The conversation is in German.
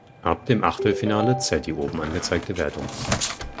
Ab dem Achtelfinale zählte die oben angezeigte Wertung.